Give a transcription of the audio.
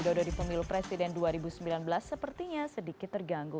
sudah sudah dipemilu presiden dua ribu sembilan belas sepertinya sedikit terganggu